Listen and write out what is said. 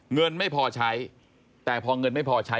เงินไม่พอใช้แต่พอเงินไม่พอใช้